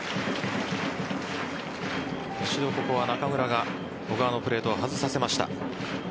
一度ここは中村が小川のプレートを外させました。